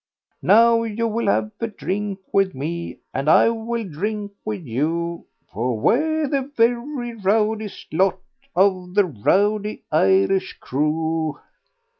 (Chorus.) "'Now you will have a drink with me, And I will drink with you; For we're the very rowdiest lot Of the rowdy Irish crew.'